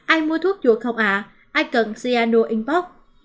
ai mua thuốc chuột không ạ ai cần ciano inbox